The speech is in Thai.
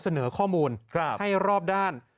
เสนอข้อมูลให้รอบด้าน